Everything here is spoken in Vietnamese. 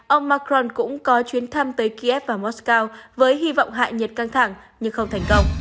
ông macron cũng có chuyến thăm tới kiev và moscow với hy vọng hạ nhiệt căng thẳng nhưng không thành công